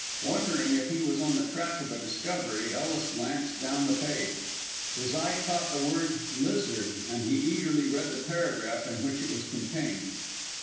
Wondering if he was on the track of a discovery, Ellis glanced down the page. His eye caught the word "lizard," and he eagerly read the paragraph in which it was contained.